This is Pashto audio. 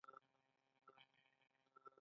پوست نیم لیټر اوبه له لاسه ورکوي.